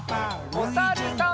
おさるさん。